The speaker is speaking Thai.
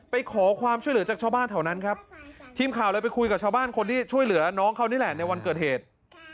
ไปขอความช่วยเหลือจากชาวบ้านแถวนั้นครับทีมข่าวเลยไปคุยกับชาวบ้านคนที่ช่วยเหลือน้องเขานี่แหละในวันเกิดเหตุ